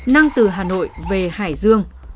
năng từ hà nội về hải dương